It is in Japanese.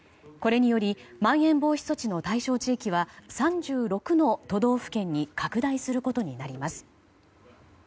これによりまん延防止措置の対象地域は３６の都道府県に拡大することになります。